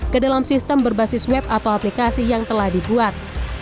ke dalam sistem berbasis web atau aplikasi yang telah dibuat